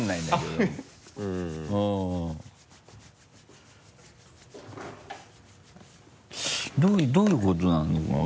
どういうことなのかな？